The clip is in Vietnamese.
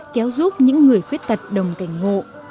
kéo giúp những người khuyết tật đồng cảnh ngộ